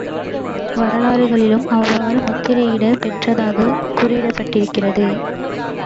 வரலாறுகளிலும் அவ்வாறு முத்திரையிடப் பெற்றதாகக் குறிப்பிடப்பட்டிருக்கிறது.